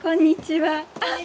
はい。